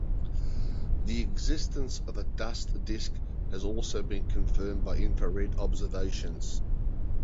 The existence of a dust disk has also been confirmed by infrared observations.